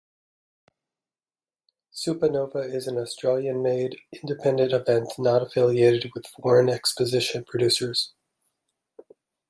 Supanova is an Australian-made, independent event not affiliated with foreign exposition producers.